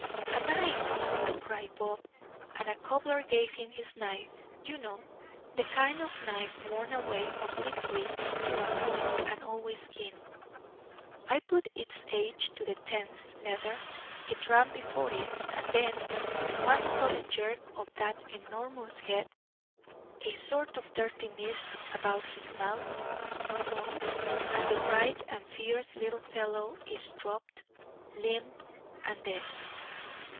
"A knife!" cried Bob; and a cobbler gave him his knife; you know the kind of knife, worn away obliquely to a point, and always keen. I put its edge to the tense leather; it ran before it; and then! one sudden jerk of that enormous head, a sort of dirty mist about his mouth, no noise, and the bright and fierce little fellow is dropped, limp, and dead.